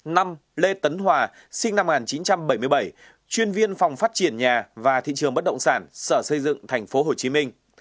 năm lê tấn hòa sinh năm một nghìn chín trăm bảy mươi bảy chuyên viên phòng phát triển nhà và thị trường bất động sản sở xây dựng tp hcm